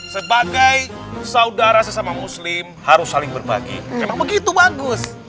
sebagai saudara sesama muslim harus saling berbagi memang begitu bagus